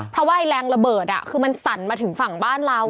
เพราะว่าไอแรงระเบิดคือมันสั่นมาถึงฝั่งบ้านเรา